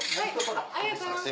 ありがとうございます。